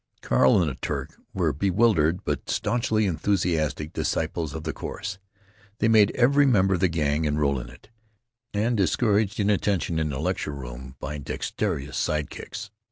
Carl and the Turk were bewildered but staunchly enthusiastic disciples of the course. They made every member of the Gang enroll in it, and discouraged inattention in the lecture room by dexterous side kicks.